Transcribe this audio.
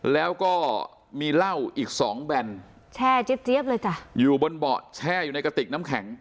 แล้วก็มีเหล้าอีกสองแบนแช่เจี๊ยบเลยจ้ะอยู่บนเบาะแช่อยู่ในกระติกน้ำแข็ง